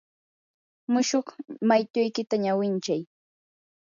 mushuq maytuykita ñawinchay.